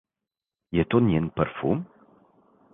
Je to njen parfum?